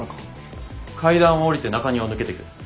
階段を下りて中庭を抜けてく。